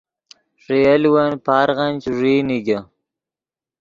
ݰے یولون پارغن چوݱیئی نیگے